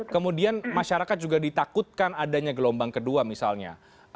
kemudian masyarakat juga ditakutkan adanya gelombang kedua misalnya